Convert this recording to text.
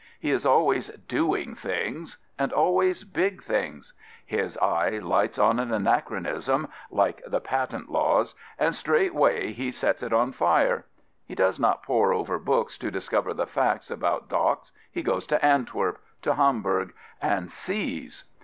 He is always " doing things "— and always big things. His eye lights on an anachronism — ^likc the Patent Laws — ^and straightway he sets it on fire. He does not pore over books to discover the facts about docks: he goes to Antwerp, to Hamburg, and sees.